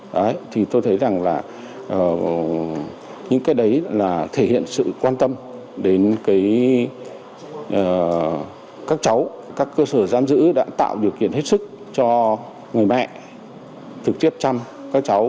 đấy thì tôi thấy rằng là những cái đấy là thể hiện sự quan tâm đến các cháu các cơ sở giam giữ đã tạo điều kiện hết sức cho người mẹ trực tiếp chăm các cháu